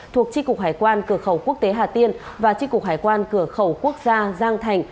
thuộc tri cục hải quan cửa khẩu quốc tế hà tiên và tri cục hải quan cửa khẩu quốc gia giang thành